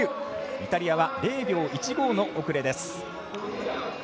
イタリアは０秒１５の遅れ。